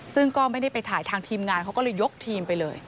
ซึ่งก็ไม่ได้ไปถ่ายทางทีมงานเขาก็เลยยกทีมไปเลย